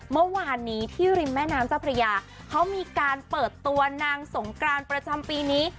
เมื่อวานนี้ที่ริมแม่น้ำเจ้าพระยาเขามีการเปิดตัวนางสงกรานประจำปีนี้